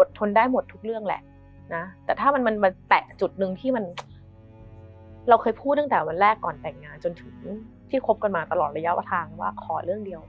อดทนได้หมดทุกเรื่องแหละนะแต่ถ้ามันมาแตะจุดหนึ่งที่มันเราเคยพูดตั้งแต่วันแรกก่อนแต่งงานจนถึงที่คบกันมาตลอดระยะทางว่าขอเรื่องเดียว